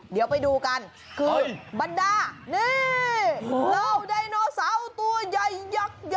เดี๋ยวไปดูกันบั๋นด้านี่เราไดโนเสาตัวใหญ่